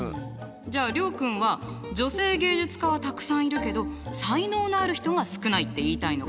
じゃあ諒君は女性芸術家はたくさんいるけど才能のある人が少ないって言いたいのかな？